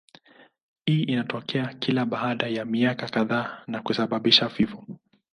Hii inatokea kila baada ya miaka kadhaa na kusababisha vifo.